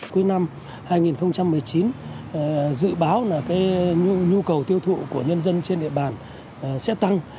cuối năm hai nghìn một mươi chín dự báo là nhu cầu tiêu thụ của nhân dân trên địa bàn sẽ tăng